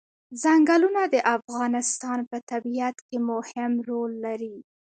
ځنګلونه د افغانستان په طبیعت کې مهم رول لري.